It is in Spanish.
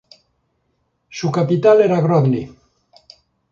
Su capital era Grozny.